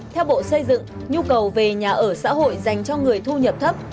theo bộ xây dựng nhu cầu về nhà ở xã hội dành cho người thu nhập thấp